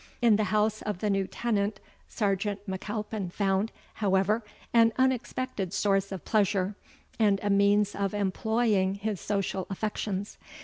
In the house of the new tenant, Sergeant M'Alpin found, however, an unexpected source of pleasure, and a means of employing his social affections.